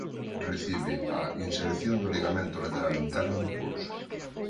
Recibe a inserción do ligamento lateral interno do pulso.